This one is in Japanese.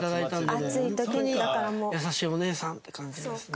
ホントに優しいお姉さんって感じですね。